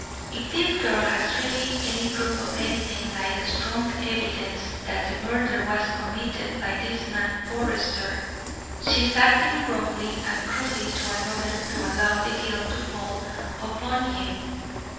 If this girl has really any proof or anything like strong evidence that the murder was committed by this man Forester, she is acting wrongly and cruelly to another to allow the guilt to fall upon him.